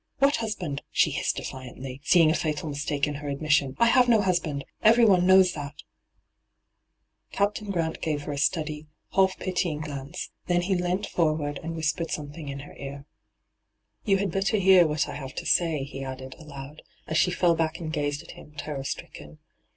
' What husband V she hissed defiantly, seeing a fatal mistake in her admission. ' I have no husband ! Everyone knows that !' Captain Ghrant gave her a steady, half pity ing glance ; th^n he leant forward and whis pered something in her ear. ' You had better hear what I have to say,' he added, aloud, as she fell back and gazed at him, terror stricken.